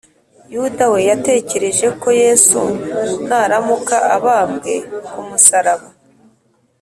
yuda we yatekereje ko yesu naramuka abambwe ku musaraba